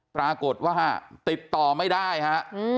ปรากฏว่าติดต่อไม่ได้ฮะ